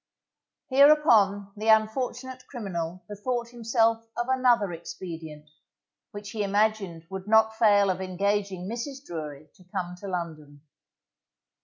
Hereupon the unfortunate criminal bethought himself of another expedient, which he imagined would not fail of engaging Mrs. Drury to come to London.